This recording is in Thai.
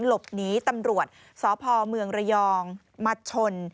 หลบหนีตำรวจสพเมืองระยองมาชน